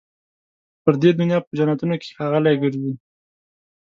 پر دې دنیا په جنتونو کي ښاغلي ګرځي